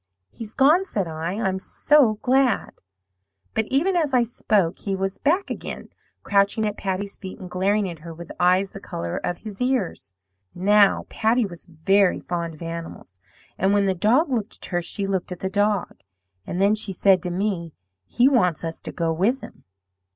"'He's gone,' said I; 'I'm so glad.' "But even as I spoke he was back again, crouching at Patty's feet, and glaring at her with eyes the colour of his ears. "Now, Patty was very fond of animals, and when the dog looked at her she looked at the dog, and then she said to me, 'He wants us to go with him.'